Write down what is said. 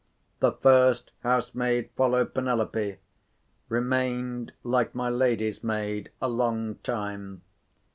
The first housemaid followed Penelope. Remained, like my lady's maid, a long time.